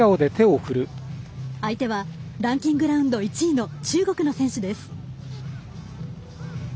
相手はランキングラウンド１位の中国の選手です。